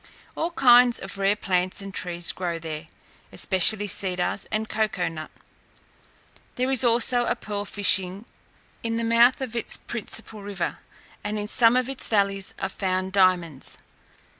All kinds of rare plants and trees grow there, especially cedars and cocoa nut. There is also a pearl fishing in the mouth of its principal river; and in some of its valleys are found diamonds.